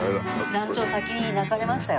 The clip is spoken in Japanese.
団長先に泣かれましたよ。